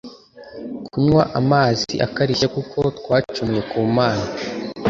Kunywa amazi akarishye kuko twacumuye ku mana